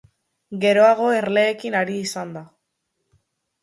Geroago erleekin ari izan da.